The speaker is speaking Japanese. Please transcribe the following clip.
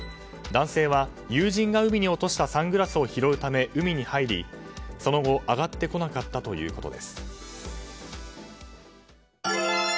男性は、友人が海に落としたサングラスを拾うため海に入り、その後上がってこなかったということです。